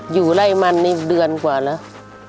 อยู่ไรมันในเดือนกว่าแล้ว